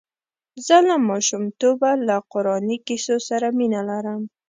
زه له ماشومتوبه له قراني کیسو سره مینه لرم.